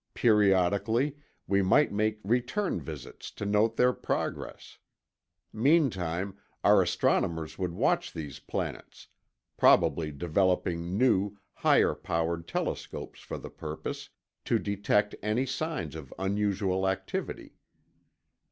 Periodically, we might make return visits to note their progress. Meantime, our astronomers would watch these planets, probably developing new, higher powered telescopes for the purpose, to detect any signs of unusual activity.